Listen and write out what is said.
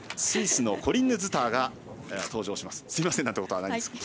スイスのコリンヌ・ズターが登場します。